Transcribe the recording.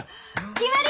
決まり！